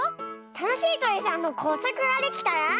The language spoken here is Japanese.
たのしいとりさんのこうさくができたら。